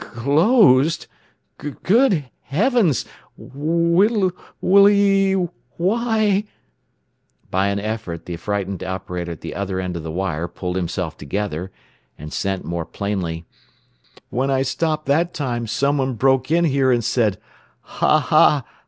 "Clooossclosd! Goed 6eavns! Whiiieeeeee Whyyy " By an effort the frightened operator at the other end of the wire pulled himself together, and sent more plainly: "When I stopped that time someone broke in here and said: 'Ha ha!